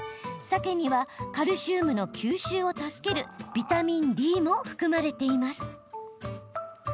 さけにはカルシウムの吸収を助けるビタミンＤも含まれています。